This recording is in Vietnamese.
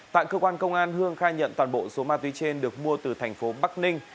tại cơ quan công an hương khai nhận toàn bộ số ma túy trên được mua từ thành phố bắc ninh